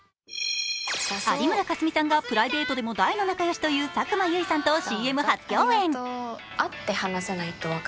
有村架純さんがプライベートでも大の仲良しという佐久間由衣さんとＣＭ初共演。